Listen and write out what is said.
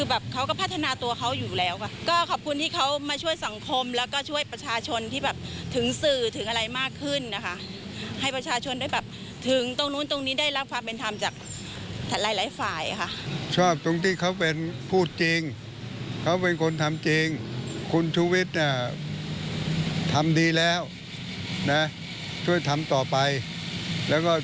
ขภาพอยากให้เป็นอย่างไรของการประกันสุขภาพอยากให้เป็นอย่างไรของการประกันสุขภาพอยากให้เป็นอย่างไรของการประกันสุขภาพอยากให้เป็นอย่างไรของการประกันสุขภาพอยากให้เป็นอย่างไรของการประกันสุขภาพอยากให้เป็นอย่างไรของการประกันสุขภาพอยากให้เป็นอย่างไรของการประกันสุขภาพอยากให้เป็นอย่างไรของการประกันสุขภาพ